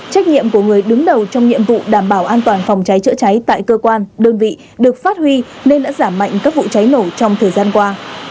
trách nhiệm của người đứng đầu trong nhiệm vụ đảm bảo an toàn phòng cháy chữa cháy tại cơ quan đơn vị được phát huy nên đã giảm mạnh các vụ cháy nổ trong thời gian qua